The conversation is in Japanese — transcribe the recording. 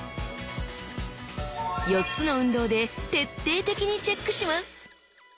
４つの運動で徹底的にチェックします！